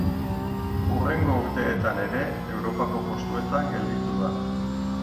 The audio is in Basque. Hurrengo urteetan ere Europako postuetan gelditu da.